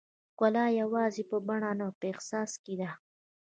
ښکلا یوازې په بڼه نه، په احساس کې ده.